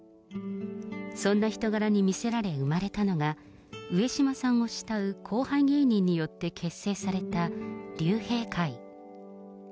そんな人柄に見せられ、生まれたのが、上島さんを慕う後輩芸人によって結成された竜兵会。